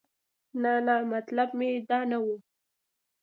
نه نه مطلب مې دا نه و.